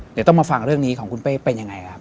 เดี๋ยวต้องมาฟังเรื่องนี้ของคุณเป้เป็นยังไงครับ